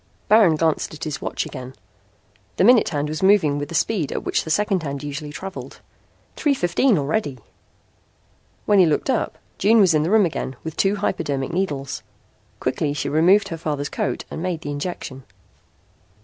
Baron glanced at his watch again. The minute hand was moving with the speed at which the second hand usually traveled. Three fifteen already! When he looked up June was in the room again with two hypodermic needles. Quickly she removed her father's coat and made the injection.